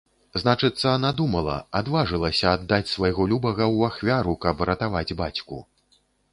Значыцца, надумала, адважылася аддаць свайго любага ў ахвяру, каб ратаваць бацьку.